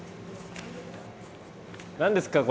何ですか？